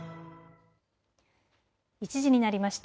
１時になりました。